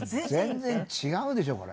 全然違うでしょこれ。